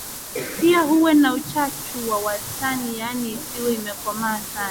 Pia uwe na uchachu wa wastani yaani isiwe imekomaa sana